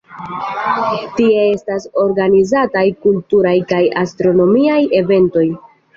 Tie estas organizataj kulturaj kaj astronomiaj eventoj.